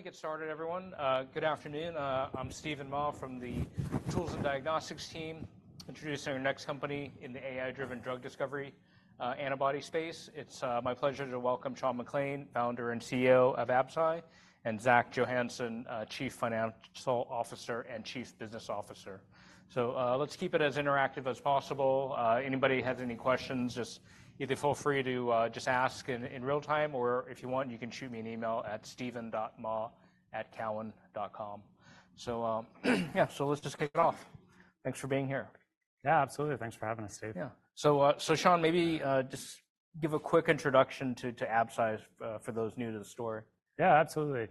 Why don't we get started, everyone? Good afternoon. I'm Steven Mah from the Tools and Diagnostics team, introducing our next company in the AI-driven drug discovery, antibody space. It's my pleasure to welcome Sean McClain, founder and CEO of Absci, and Zach Jonasson, Chief Financial Officer and Chief Business Officer. So, let's keep it as interactive as possible. Anybody has any questions, just either feel free to just ask in real time, or if you want, you can shoot me an email at steven.mah@cowen.com. So, yeah, so let's just kick it off. Thanks for being here. Yeah, absolutely. Thanks for having us, Steve. Yeah. So, so Sean, maybe just give a quick introduction to, to Absci, for those new to the story. Yeah, absolutely.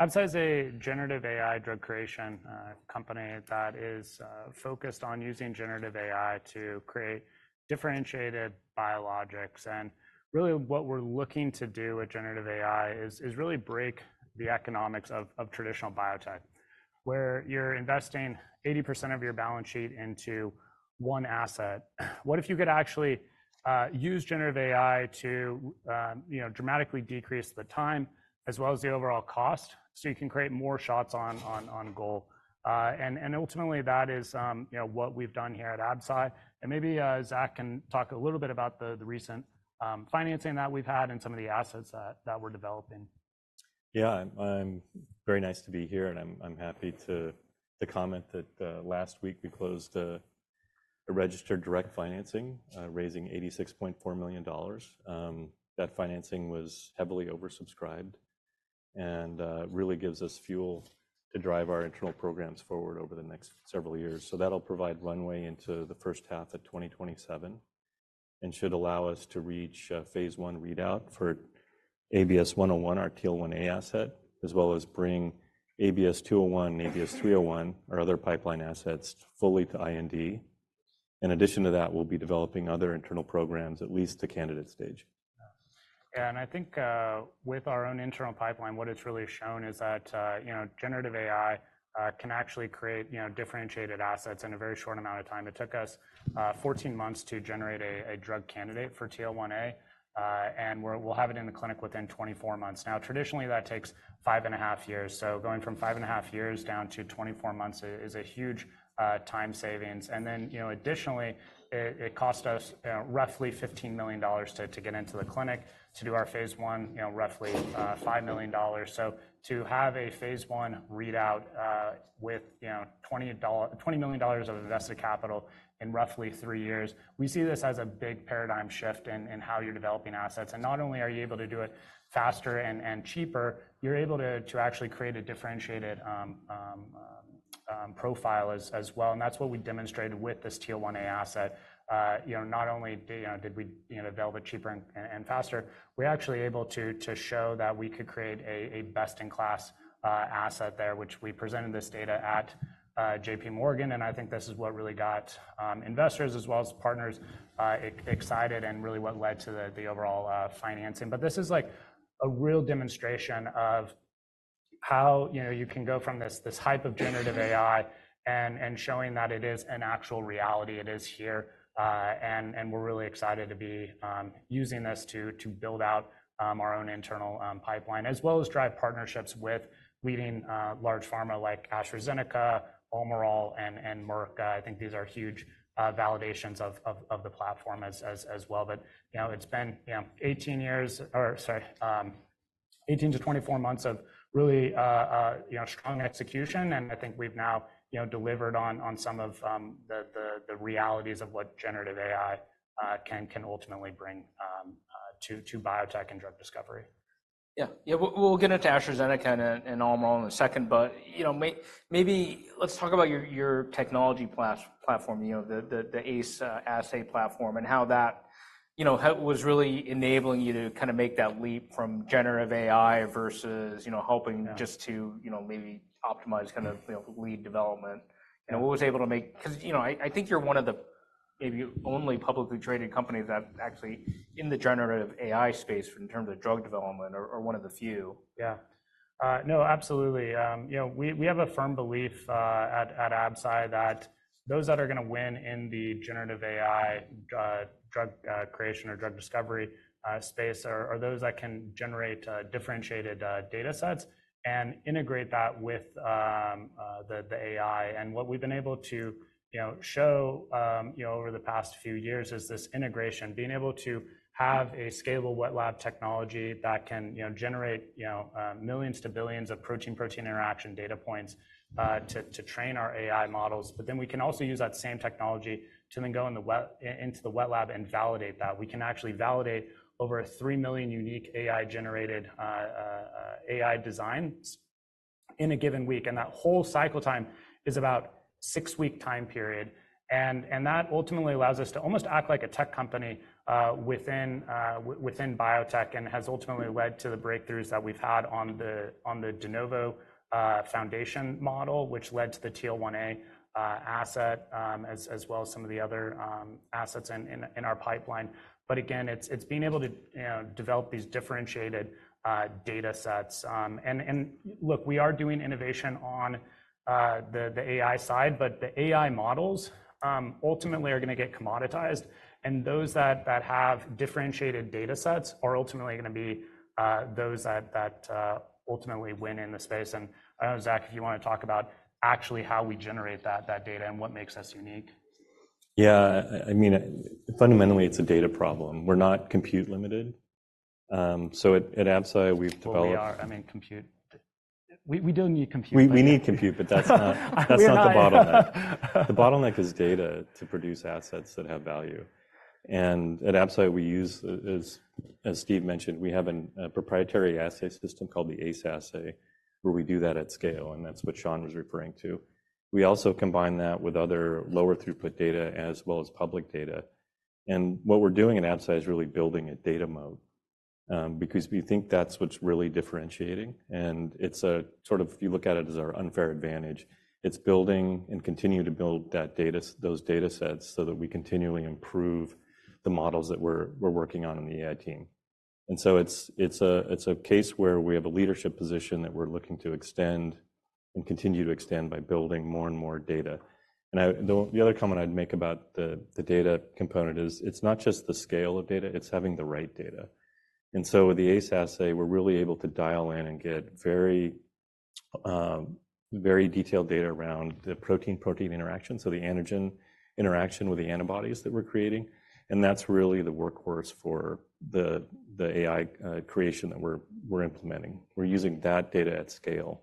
Absci is a generative AI drug creation company that is focused on using generative AI to create differentiated biologics. And really, what we're looking to do with generative AI is really break the economics of traditional biotech, where you're investing 80% of your balance sheet into one asset. What if you could actually use generative AI to you know, dramatically decrease the time, as well as the overall cost, so you can create more shots on goal? And ultimately, that is you know, what we've done here at Absci. And maybe Zach can talk a little bit about the recent financing that we've had and some of the assets that we're developing. Yeah, I'm very nice to be here, and I'm happy to comment that last week, we closed a registered direct financing, raising $86.4 million. That financing was heavily oversubscribed and really gives us fuel to drive our internal programs forward over the next several years. So that'll provide runway into the first half of 2027, and should allow us to reach phase I readout for ABS-101, our TL1A asset, as well as bring ABS-201 and ABS-301, our other pipeline assets, fully to IND. In addition to that, we'll be developing other internal programs, at least to candidate stage. Yeah, and I think, with our own internal pipeline, what it's really shown is that, you know, generative AI can actually create, you know, differentiated assets in a very short amount of time. It took us, 14 months to generate a drug candidate for TL1A, and we'll have it in the clinic within 24 months. Now, traditionally, that takes 5.5 years. So going from 5.5 years down to 24 months is a huge time savings. And then, you know, additionally, it cost us, roughly $15 million to get into the clinic, to do our phase I, you know, roughly $5 million. So to have a phase I readout, with, you know, $20 million of invested capital in roughly three years, we see this as a big paradigm shift in how you're developing assets. And not only are you able to do it faster and cheaper, you're able to actually create a differentiated profile as well, and that's what we demonstrated with this TL1A asset. You know, not only did we, you know, develop it cheaper and faster, we're actually able to show that we could create a best-in-class asset there, which we presented this data at J.P. Morgan, and I think this is what really got investors as well as partners excited and really what led to the overall financing. But this is like a real demonstration of how, you know, you can go from this hype of generative AI and showing that it is an actual reality. It is here, and we're really excited to be using this to build out our own internal pipeline, as well as drive partnerships with leading large pharma like AstraZeneca, Almirall, and Merck. I think these are huge validations of the platform as well. But, you know, it's been 18 years, or sorry, 18-24 months of really strong execution, and I think we've now, you know, delivered on some of the realities of what generative AI can ultimately bring to biotech and drug discovery. Yeah. Yeah, we'll get into AstraZeneca and Almirall in a second, but, you know, maybe let's talk about your technology platform, you know, the ACE Assay platform and how that, you know, how it was really enabling you to kind of make that leap from generative AI versus, you know, helping- Yeah... just to, you know, maybe optimize kind of, you know, lead development. You know, what was able to make, 'cause, you know, I, I think you're one of the maybe only publicly traded companies that actually in the generative AI space in terms of drug development or, or one of the few. Yeah. No, absolutely. You know, we have a firm belief at Absci that those that are gonna win in the generative AI drug creation or drug discovery space are those that can generate differentiated data sets and integrate that with the AI. And what we've been able to you know show you know over the past few years is this integration, being able to have a scalable wet lab technology that can you know generate you know millions to billions of protein-protein interaction data points to train our AI models. But then we can also use that same technology to then go into the wet lab and validate that. We can actually validate over 3 million unique AI-generated AI designs in a given week, and that whole cycle time is about 6-week time period. And that ultimately allows us to almost act like a tech company within biotech and has ultimately led to the breakthroughs that we've had on the de novo foundation model, which led to the TL1A asset as well as some of the other assets in our pipeline. But again, it's being able to develop these differentiated data sets. And look, we are doing innovation on the AI side, but the AI models ultimately are gonna get commoditized, and those that have differentiated data sets are ultimately gonna be those that ultimately win in the space. And, Zach, if you wanna talk about actually how we generate that data and what makes us unique? Yeah, I mean, fundamentally, it's a data problem. We're not computer limited. So at Absci, we've developed- Well, we are. I mean, computer. We do need computer. We need compute, but that's not- We are not-... that's not the bottleneck. The bottleneck is data to produce assets that have value. At Absci we use, as Steve mentioned, we have a proprietary assay system called the ACE Assay, where we do that at scale, and that's what Sean was referring to. We also combine that with other lower throughput data as well as public data. What we're doing at Absci is really building a data moat, because we think that's what's really differentiating, and it's a sort of, if you look at it, as our unfair advantage. It's building, and continue to build that data, those datasets so that we continually improve the models that we're working on in the AI team. And so it's a case where we have a leadership position that we're looking to extend and continue to extend by building more and more data. And the other comment I'd make about the data component is, it's not just the scale of data, it's having the right data. And so with the ACE Assay, we're really able to dial in and get very very detailed data around the protein-protein interaction, so the antigen interaction with the antibodies that we're creating, and that's really the workhorse for the AI creation that we're implementing. We're using that data at scale,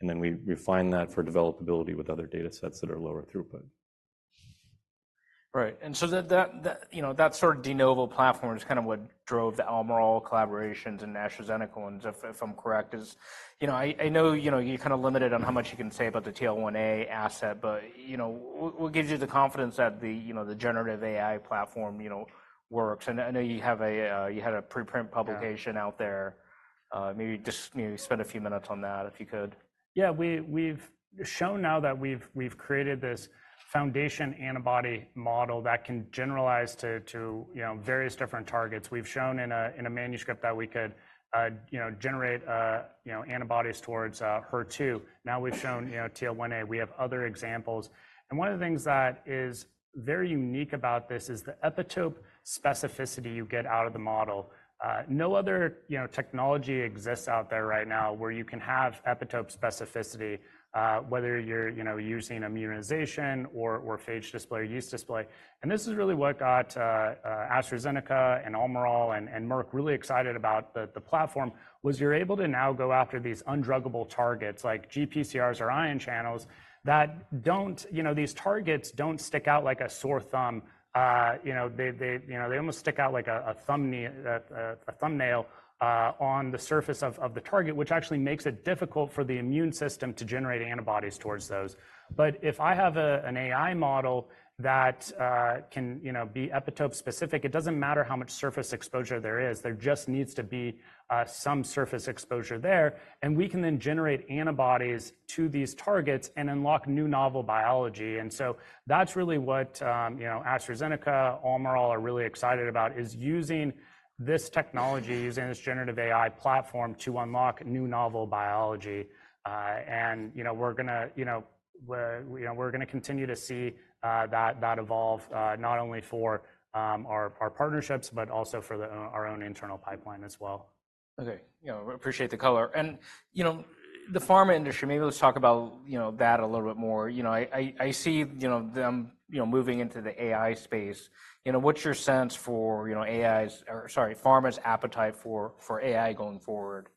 and then we refine that for developability with other datasets that are lower throughput. Right. And so that, you know, that sort of de novo platform is kind of what drove the Almirall collaborations and AstraZeneca, if I'm correct. As, you know, I know, you know, you're kind of limited on how much you can say about the TL1A asset, but, you know, what gives you the confidence that the, you know, the generative AI platform, you know, works? And I know you have a, you had a pre-print publication- Yeah... out there. Maybe just, you know, spend a few minutes on that, if you could. Yeah, we've shown now that we've created this foundation antibody model that can generalize to, to, you know, various different targets. We've shown in a manuscript that we could, you know, generate, you know, antibodies towards HER2. Now, we've shown, you know, TL1A. We have other examples, and one of the things that is very unique about this is the epitope specificity you get out of the model. No other, you know, technology exists out there right now, where you can have epitope specificity, whether you're, you know, using immunization or phage display or yeast display. And this is really what got AstraZeneca and Almirall and Merck really excited about the platform, was you're able to now go after these undruggable targets like GPCRs or ion channels that don't... You know, these targets don't stick out like a sore thumb. You know, they, they, you know, they almost stick out like a, a thumbnail on the surface of, of the target, which actually makes it difficult for the immune system to generate antibodies towards those. But if I have an AI model that can, you know, be epitope-specific, it doesn't matter how much surface exposure there is, there just needs to be some surface exposure there, and we can then generate antibodies to these targets and unlock new novel biology. And so that's really what, you know, AstraZeneca, Almirall are really excited about, is using this technology, using this generative AI platform, to unlock new novel biology. You know, we're gonna continue to see that evolve, not only for our partnerships, but also for our own internal pipeline as well. Okay. You know, appreciate the color. You know, the pharma industry, maybe let's talk about, you know, that a little bit more. You know, I see, you know, them, you know, moving into the AI space. You know, what's your sense for, you know, AI's... or, sorry, pharma's appetite for, for AI going forward?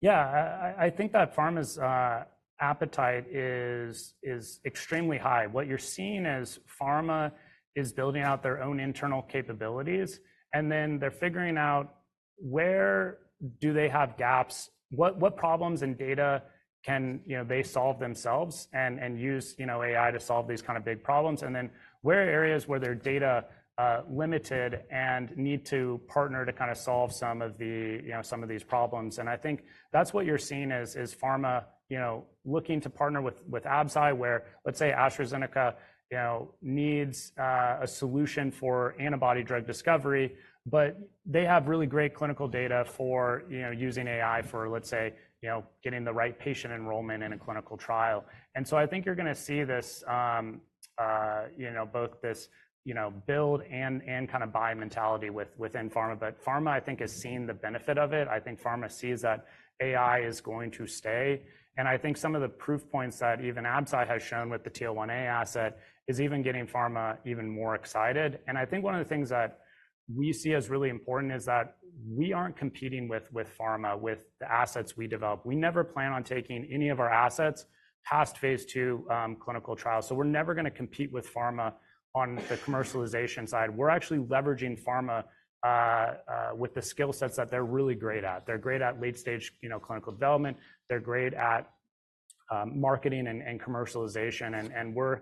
Yeah, I, I think that pharma's appetite is, is extremely high. What you're seeing is pharma is building out their own internal capabilities, and then they're figuring out where do they have gaps, what, what problems and data can, you know, they solve themselves and, and use, you know, AI to solve these kind of big problems? And then where are areas where they're data limited and need to partner to kind of solve some of the, you know, some of these problems? And I think that's what you're seeing is, is pharma, you know, looking to partner with, with Absci, where, let's say AstraZeneca, you know, needs a solution for antibody drug discovery, but they have really great clinical data for, you know, using AI for, let's say, you know, getting the right patient enrollment in a clinical trial. So I think you're gonna see this, you know, both this, you know, build and kind of buy mentality within pharma. But pharma, I think, has seen the benefit of it. I think pharma sees that AI is going to stay, and I think some of the proof points that even Absci has shown with the TL1A asset is even getting pharma even more excited. And I think one of the things that we see as really important is that we aren't competing with pharma with the assets we develop. We never plan on taking any of our assets past phase II clinical trials, so we're never gonna compete with pharma on the commercialization side. We're actually leveraging pharma with the skill sets that they're really great at. They're great at late-stage, you know, clinical development. They're great at marketing and commercialization, and we're,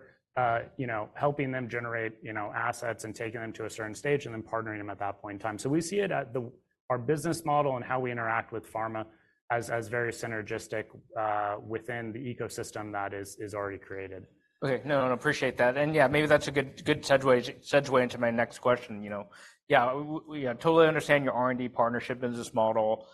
you know, helping them generate, you know, assets and taking them to a certain stage, and then partnering them at that point in time. So we see it at the, our business model and how we interact with pharma as very synergistic within the ecosystem that is already created. Okay. No, no, appreciate that. And yeah, maybe that's a good, good segue into my next question, you know? Yeah, we totally understand your R&D partnership business model,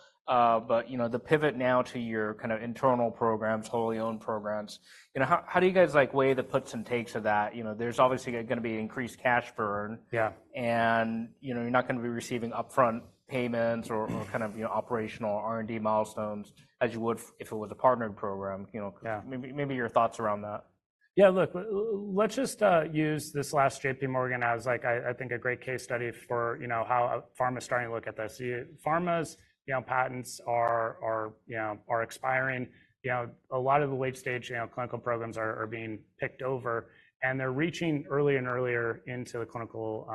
but, you know, the pivot now to your kind of internal programs, totally owned programs, you know, how do you guys, like, weigh the puts and takes of that? You know, there's obviously gonna be increased cash burn- Yeah... and, you know, you're not gonna be receiving upfront payments or kind of, you know, operational R&D milestones as you would if it was a partnered program, you know? Yeah. Maybe, maybe your thoughts around that.... Yeah, look, let's just use this last JPMorgan as, like, I think, a great case study for, you know, how a pharma's starting to look at this. Yeah, pharmas, you know, patents are expiring. You know, a lot of the late-stage clinical programs are being picked over, and they're reaching early and earlier into the clinical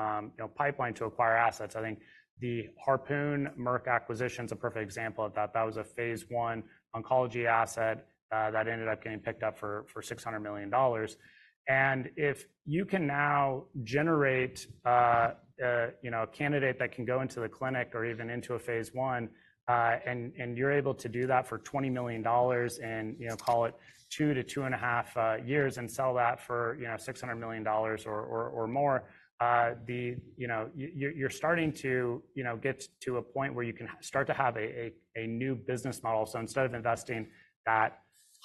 pipeline to acquire assets. I think the Harpoon/Merck acquisition is a perfect example of that. That was a phase I oncology asset that ended up getting picked up for $600 million. And if you can now generate, you know, a candidate that can go into the clinic or even into a phase I, and you're able to do that for $20 million and, you know, call it 2-2.5 years, and sell that for, you know, $600 million or more, the... You know, you're starting to, you know, get to a point where you can start to have a new business model. So instead of investing that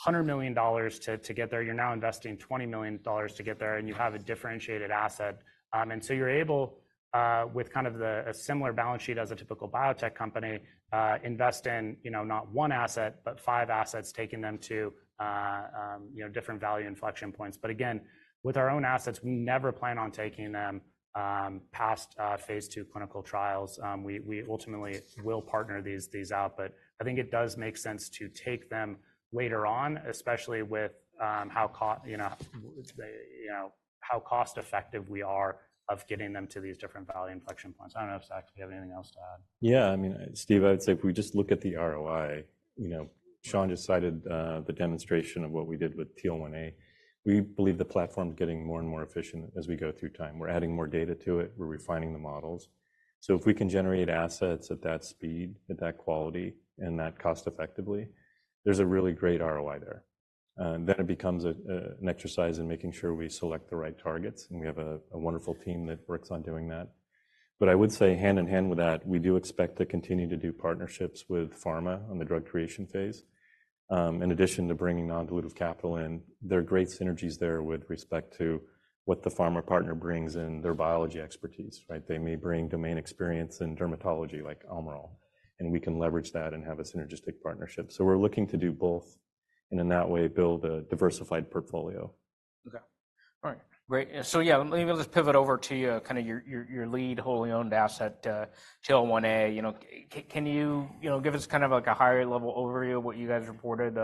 $100 million to get there, you're now investing $20 million to get there, and you have a differentiated asset. And so you're able, with kind of the a similar balance sheet as a typical biotech company, invest in, you know, not one asset, but five assets, taking them to, you know, different value inflection points. But again, with our own assets, we never plan on taking them, past phase II clinical trials. We ultimately will partner these out, but I think it does make sense to take them later on, especially with how cost-effective we are of getting them to these different value inflection points. I don't know if, Zach, you have anything else to add. Yeah. I mean, Steve, I would say if we just look at the ROI, you know, Sean just cited the demonstration of what we did with TL1A. We believe the platform is getting more and more efficient as we go through time. We're adding more data to it, we're refining the models. So if we can generate assets at that speed, at that quality, and that cost effectively, there's a really great ROI there. And then it becomes an exercise in making sure we select the right targets, and we have a wonderful team that works on doing that. But I would say hand in hand with that, we do expect to continue to do partnerships with pharma on the drug creation phase. In addition to bringing non-dilutive capital in, there are great synergies there with respect to what the pharma partner brings and their biology expertise, right? They may bring domain experience in dermatology, like Almirall, and we can leverage that and have a synergistic partnership. So we're looking to do both, and in that way, build a diversified portfolio. Okay. All right, great. So yeah, let me just pivot over to kind of your lead, wholly-owned asset, TL1A. You know, can you, you know, give us kind of, like, a high-level overview of what you guys reported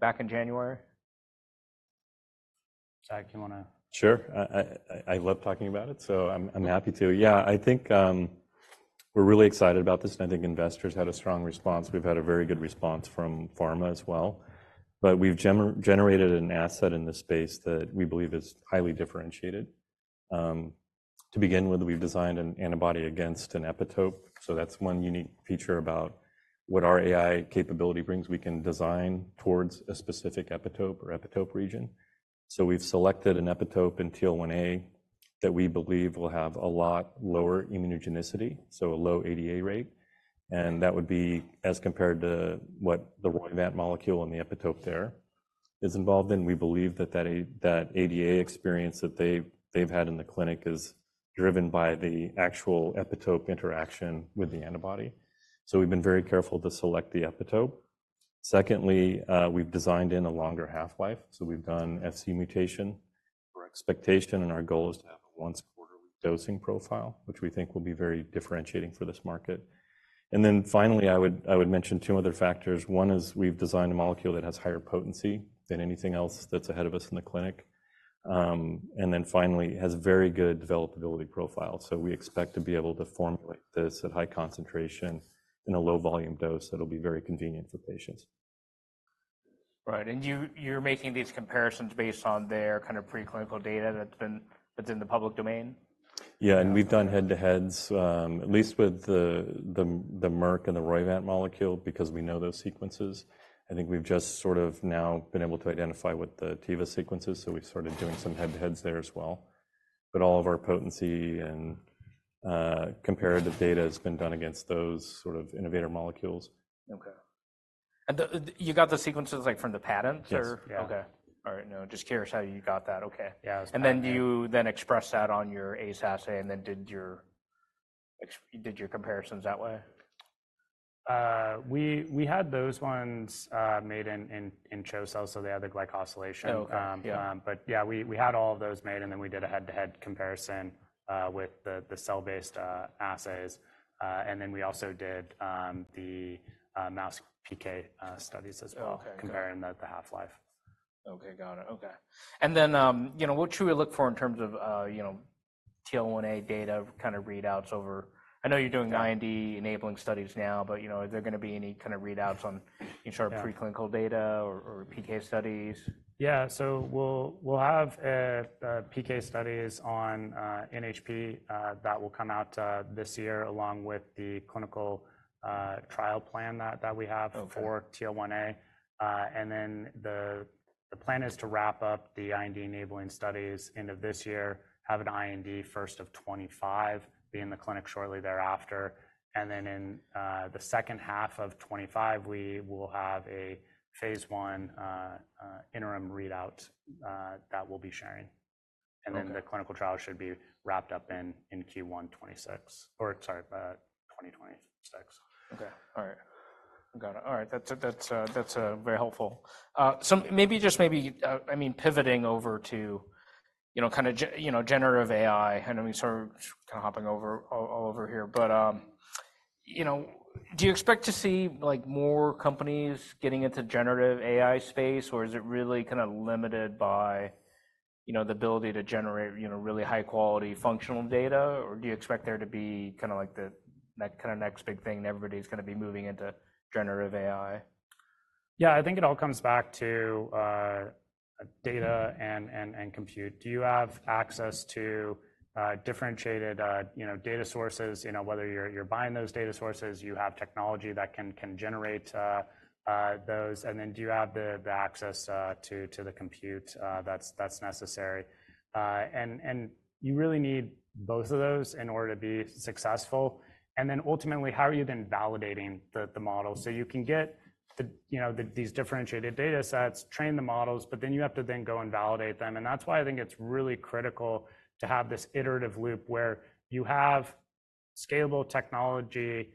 back in January? Zach, you want to- Sure. I love talking about it, so I'm happy to. Yeah, I think we're really excited about this, and I think investors had a strong response. We've had a very good response from pharma as well. But we've generated an asset in this space that we believe is highly differentiated. To begin with, we've designed an antibody against an epitope, so that's one unique feature about what our AI capability brings. We can design towards a specific epitope or epitope region. So we've selected an epitope in TL1A that we believe will have a lot lower immunogenicity, so a low ADA rate, and that would be as compared to what the Roivant molecule and the epitope there is involved in. We believe that that ADA experience that they've had in the clinic is driven by the actual epitope interaction with the antibody. So we've been very careful to select the epitope. Secondly, we've designed in a longer half-life, so we've done Fc mutation. Our expectation and our goal is to have a once-a-quarter dosing profile, which we think will be very differentiating for this market. And then finally, I would mention two other factors. One is we've designed a molecule that has higher potency than anything else that's ahead of us in the clinic. And then finally, it has a very good developability profile, so we expect to be able to formulate this at high concentration in a low-volume dose that'll be very convenient for patients. Right, and you, you're making these comparisons based on their kind of preclinical data that's in the public domain? Yeah, and we've done head-to-heads, at least with the Merck and the Roivant molecule, because we know those sequences. I think we've just sort of now been able to identify what the Teva sequence is, so we've started doing some head-to-heads there as well. But all of our potency and comparative data has been done against those sort of innovator molecules. Okay. And you got the sequences, like, from the patent? Yes. Okay. All right, no, just curious how you got that. Okay. Yeah, it was- And then do you then express that on your ACE Assay, and then Did your comparisons that way? We had those ones made in CHO cells, so they had the glycosylation. Oh, okay. Yeah. But yeah, we had all of those made, and then we did a head-to-head comparison with the cell-based assays. And then we also did the mouse PK studies as well. Okay, comparing the half-life. Okay, got it. Okay. And then, you know, what should we look for in terms of, you know, TL1A data kind of readouts over? I know you're doing IND-enabling studies now, but, you know, are there gonna be any kind of readouts on your? Yeah, preclinical data or PK studies? Yeah, so we'll have PK studies on NHP that will come out this year, along with the clinical trial plan that we have- Okay... for TL1A. And then the plan is to wrap up the IND-enabling studies end of this year, have an IND first of 2025, be in the clinic shortly thereafter, and then in the second half of 2025, we will have a phase I interim readout that we'll be sharing.... and then the clinical trial should be wrapped up in Q1 2026, or sorry, 2026. Okay, all right. Got it. All right, that's very helpful. So maybe, just maybe, I mean, pivoting over to, you know, kind of generative AI, and I mean, sort of, kind of hopping over here. But you know, do you expect to see, like, more companies getting into generative AI space? Or is it really kind of limited by, you know, the ability to generate, you know, really high-quality functional data? Or do you expect there to be kind of like the, that kind of next big thing, and everybody's gonna be moving into generative AI? Yeah, I think it all comes back to data and compute. Do you have access to differentiated, you know, data sources? You know, whether you're buying those data sources, you have technology that can generate those, and then do you have the access to the compute that's necessary? And you really need both of those in order to be successful. And then ultimately, how are you then validating the model? So you can get the, you know, these differentiated data sets, train the models, but then you have to then go and validate them. That's why I think it's really critical to have this iterative loop where you have scalable technology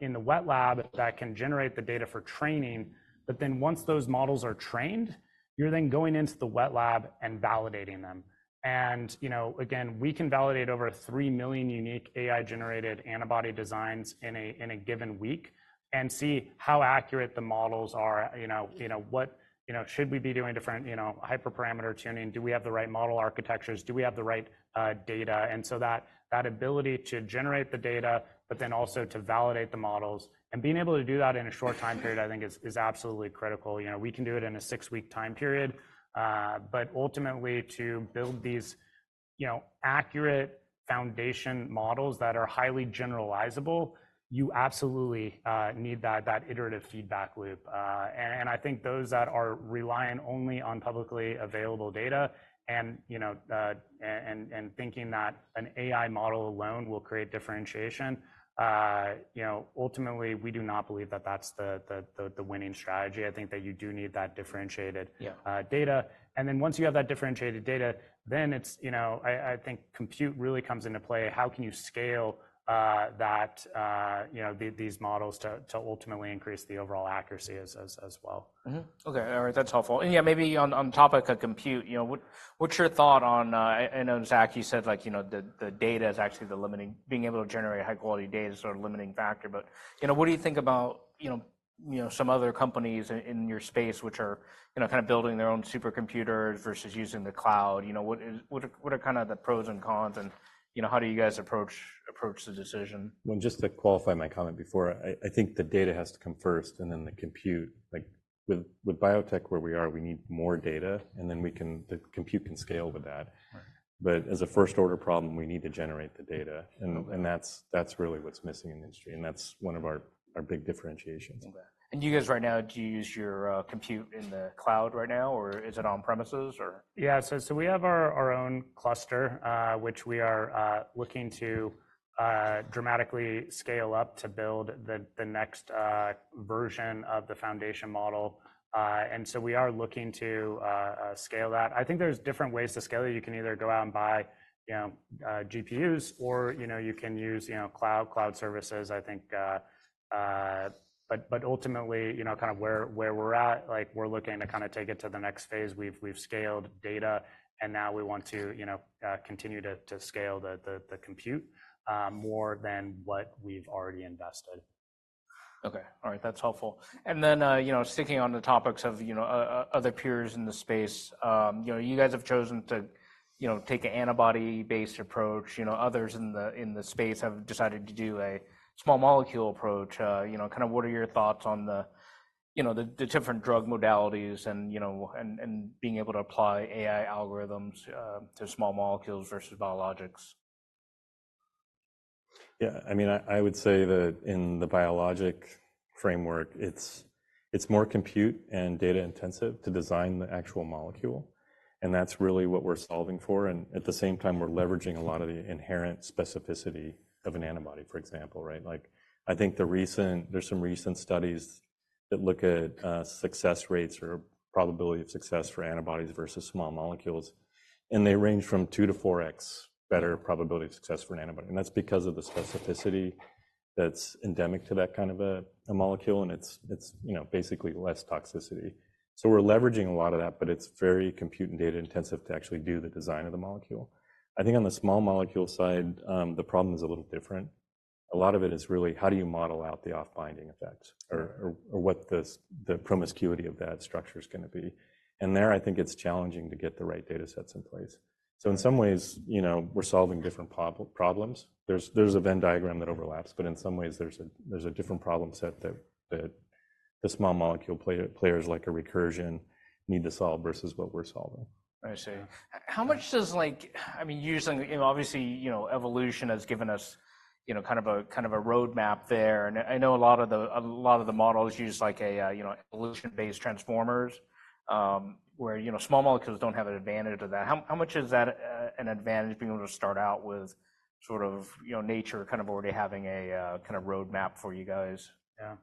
in the wet lab that can generate the data for training, but then once those models are trained, you're then going into the wet lab and validating them. And, you know, again, we can validate over 3 million unique AI-generated antibody designs in a given week and see how accurate the models are. You know, should we be doing different, you know, hyperparameter tuning? Do we have the right model architectures? Do we have the right, data? So that ability to generate the data, but then also to validate the models, and being able to do that in a short time period, I think is absolutely critical. You know, we can do it in a 6-week time period, but ultimately, to build these, you know, accurate foundation models that are highly generalizable, you absolutely need that iterative feedback loop. And I think those that are reliant only on publicly available data and, you know, and thinking that an AI model alone will create differentiation, you know, ultimately, we do not believe that that's the winning strategy. I think that you do need that differentiated- Yeah... data. And then once you have that differentiated data, then it's, you know, I think compute really comes into play. How can you scale that, you know, these models to ultimately increase the overall accuracy as well? Mm-hmm. Okay, all right. That's helpful. And yeah, maybe on topic of compute, you know, what's your thought on... I know, Zach, you said, like, you know, the data is actually the limiting—being able to generate high-quality data is sort of limiting factor. But, you know, what do you think about, you know, some other companies in your space, which are, you know, kind of building their own supercomputers versus using the cloud? You know, what are kind of the pros and cons, and, you know, how do you guys approach the decision? Well, just to qualify my comment before, I think the data has to come first, and then the compute. Like, with biotech, where we are, we need more data, and then we can—the compute can scale with that. Right. But as a first-order problem, we need to generate the data, and that's really what's missing in the industry, and that's one of our big differentiations. Okay. And you guys, right now, do you use your compute in the cloud right now, or is it on premises, or? Yeah. So, so we have our, our own cluster, which we are, looking to, dramatically scale up to build the, the next, version of the foundation model. And so we are looking to, scale that. I think there's different ways to scale it. You can either go out and buy, you know, GPUs, or, you know, you can use, you know, cloud, cloud services, I think... But, but ultimately, you know, kind of where, where we're at, like, we're looking to kind of take it to the next phase. We've, we've scaled data, and now we want to, you know, continue to, to scale the, the, the compute, more than what we've already invested. Okay. All right, that's helpful. And then, you know, sticking on the topics of, you know, other peers in the space, you know, you guys have chosen to, you know, take an antibody-based approach. You know, others in the, in the space have decided to do a small molecule approach. You know, kind of what are your thoughts on the, you know, the, the different drug modalities and, you know, and, and being able to apply AI algorithms, to small molecules versus biologics? Yeah, I mean, I, I would say that in the biologic framework, it's, it's more compute and data-intensive to design the actual molecule, and that's really what we're solving for, and at the same time, we're leveraging a lot of the inherent specificity of an antibody, for example, right? Like, I think there's some recent studies that look at success rates or probability of success for antibodies versus small molecules, and they range from 2-4X better probability of success for an antibody, and that's because of the specificity that's endemic to that kind of a, a molecule, and it's, it's, you know, basically less toxicity. So we're leveraging a lot of that, but it's very compute and data-intensive to actually do the design of the molecule. I think on the small molecule side, the problem is a little different. A lot of it is really, how do you model out the off-binding effects or what the promiscuity of that structure is gonna be? And there, I think it's challenging to get the right data sets in place. So in some ways, you know, we're solving different problems. There's a Venn diagram that overlaps, but in some ways, there's a different problem set that the small molecule players like Recursion need to solve versus what we're solving. I see. How much does, like... I mean, using, you know, obviously, you know, evolution has given us, you know, kind of a, kind of a roadmap there, and I, I know a lot of the, a lot of the models use, like, a, you know, evolution-based transformers, where, you know, small molecules don't have an advantage of that. How, how much is that, an advantage, being able to start out with sort of, you know, nature kind of already having a, kind of roadmap for you guys? Yeah...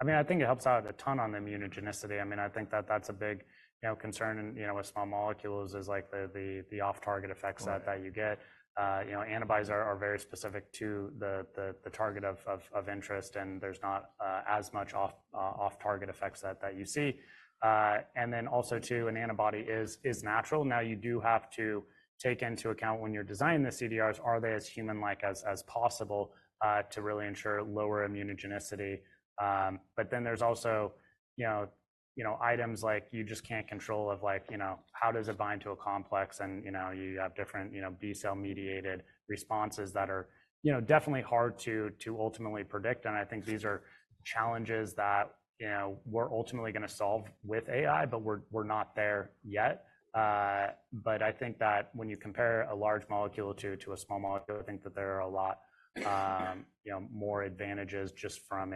I mean, I think it helps out a ton on the immunogenicity. I mean, I think that that's a big, you know, concern in, you know, with small molecules, is, like, the off-target effects that you get. Right. You know, antibodies are very specific to the target of interest, and there's not as much off-target effects that you see. And then also, too, an antibody is natural. Now, you do have to take into account when you're designing the CDRs, are they as human-like as possible to really ensure lower immunogenicity? But then there's also, you know, items like you just can't control of, like, you know, how does it bind to a complex? And, you know, you have different B-cell-mediated responses that are, you know, definitely hard to ultimately predict. And I think these are challenges that, you know, we're ultimately gonna solve with AI, but we're not there yet. But I think that when you compare a large molecule to a small molecule, I think that there are a lot more advantages just from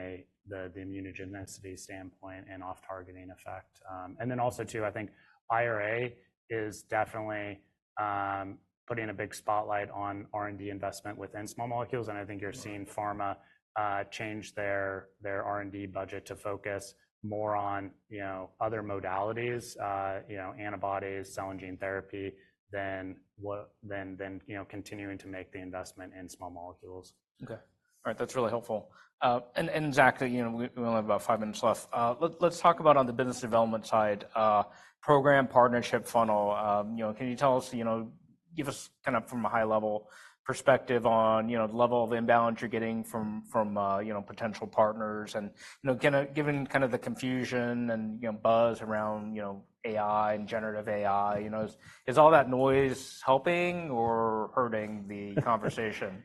the immunogenicity standpoint and off-targeting effect. And then also, too, I think IRA is definitely putting a big spotlight on R&D investment within small molecules. Mm-hmm. I think you're seeing pharma change their R&D budget to focus more on, you know, other modalities, you know, antibodies, cell and gene therapy, than you know, continuing to make the investment in small molecules. Okay. All right, that's really helpful. And Zach, you know, we only have about five minutes left. Let's talk about on the business development side, program partnership funnel. You know, can you tell us... you know, give us kind of from a high-level perspective on, you know, the level of inbound you're getting from, you know, potential partners. And, you know, kinda given kind of the confusion and, you know, buzz around, you know, AI and generative AI, you know, is all that noise helping or hurting the conversation?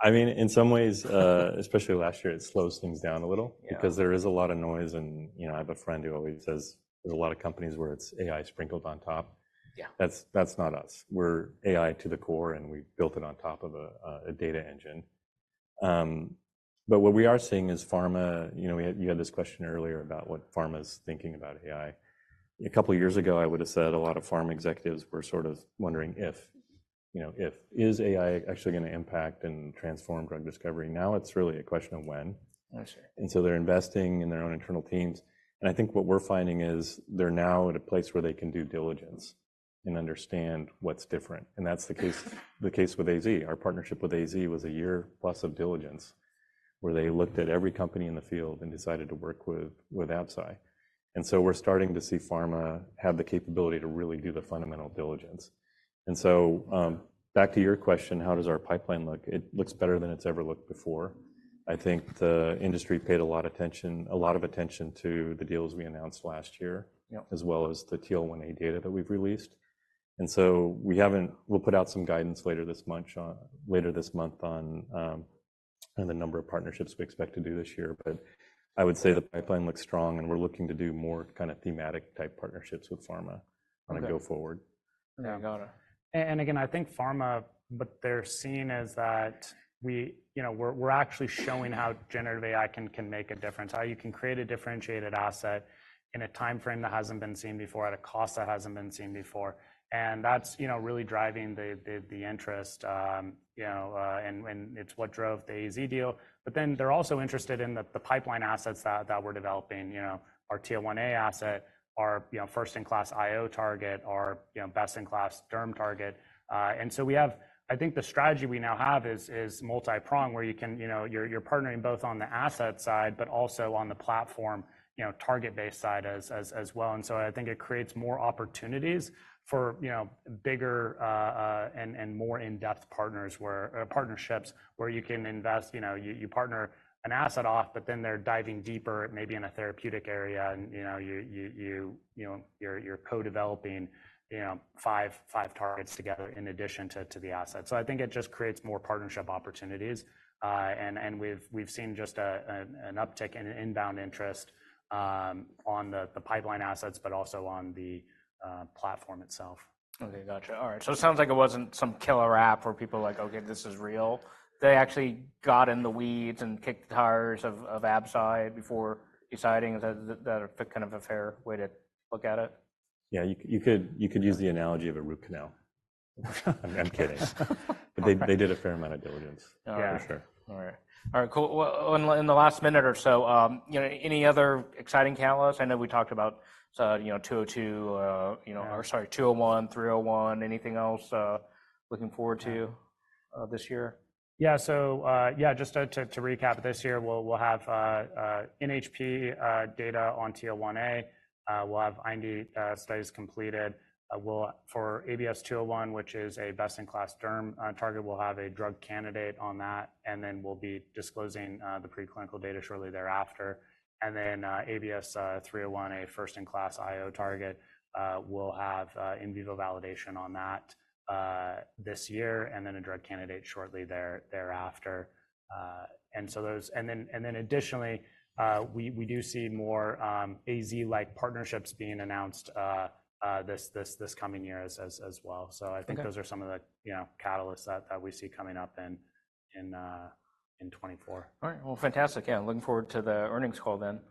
I mean, in some ways, especially last year, it slows things down a little. Yeah. Because there is a lot of noise. You know, I have a friend who always says, "There's a lot of companies where it's AI sprinkled on top. Yeah. That's, that's not us. We're AI to the core, and we've built it on top of a data engine. But what we are seeing is pharma... You know, we had—you had this question earlier about what pharma's thinking about AI. A couple of years ago, I would've said a lot of pharma executives were sort of wondering if, you know, if, "Is AI actually gonna impact and transform drug discovery?" Now, it's really a question of when. Gotcha. So they're investing in their own internal teams. I think what we're finding is, they're now at a place where they can do diligence and understand what's different, and that's the case with AZ. Our partnership with AZ was a year plus of diligence, where they looked at every company in the field and decided to work with Absci. So we're starting to see pharma have the capability to really do the fundamental diligence. So, back to your question, how does our pipeline look? It looks better than it's ever looked before. I think the industry paid a lot of attention to the deals we announced last year- Yep... as well as the TL1A data that we've released. And so we haven't. We'll put out some guidance later this month on the number of partnerships we expect to do this year. But I would say the pipeline looks strong, and we're looking to do more kind of thematic-type partnerships with pharma- Okay... gonna go forward. Got it. Again, I think pharma, what they're seeing is that we—you know, we're actually showing how generative AI can make a difference, how you can create a differentiated asset in a timeframe that hasn't been seen before, at a cost that hasn't been seen before. And that's, you know, really driving the interest, and it's what drove the AZ deal. But then they're also interested in the pipeline assets that we're developing. You know, our TL1A asset, our, you know, first-in-class IO target, our, you know, best-in-class derm target. And so we have—I think the strategy we now have is multi-pronged, where you can... You know, you're partnering both on the asset side, but also on the platform, you know, target-based side as well. And so I think it creates more opportunities for, you know, bigger, and more in-depth partners, where partnerships, where you can invest. You know, you partner an asset off, but then they're diving deeper, maybe in a therapeutic area. And, you know, you're co-developing, you know, 5 targets together in addition to the asset. So I think it just creates more partnership opportunities. And we've seen just an uptick in inbound interest on the pipeline assets, but also on the platform itself. Okay, gotcha. All right, so it sounds like it wasn't some killer app, where people were like, "Okay, this is real." They actually got in the weeds and kicked the tires of, of Absci before deciding. Is that, that kind of a fair way to look at it? Yeah, you could use the analogy of a root canal. I'm kidding. Okay. But they did a fair amount of diligence- Yeah. Yeah... for sure. All right. All right, cool. Well, in the last minute or so, you know, any other exciting catalysts? I know we talked about, you know, 202, Yeah... you know, or sorry, 201, 301. Anything else looking forward to- Yeah... this year? Yeah, so, yeah, just to recap this year, we'll have NHP data on TL1A. We'll have IND studies completed. We'll, for ABS-201, which is a best-in-class derm target, have a drug candidate on that, and then we'll be disclosing the preclinical data shortly thereafter. And then, ABS-301, a first-in-class IO target, we'll have in vivo validation on that this year, and then a drug candidate shortly thereafter. And so those... And then additionally, we do see more AZ-like partnerships being announced this coming year as well. Okay. So I think those are some of the, you know, catalysts that we see coming up in 2024. All right. Well, fantastic. Yeah, looking forward to the earnings call then.